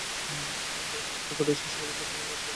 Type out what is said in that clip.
ভারতের ছাত্র ফেডারেশন সর্বদাই ছাত্র ছাত্রীদের পাশে থাকে